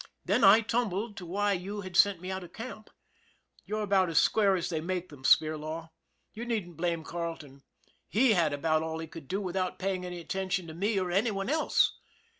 Then I tumbled to why you had sent me out of camp. You're about as square as they make them, Spirlaw. You needn't blame Carle ton, he had about all he could do without paying any attention to me or any one else.